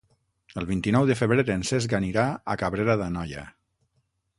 El vint-i-nou de febrer en Cesc anirà a Cabrera d'Anoia.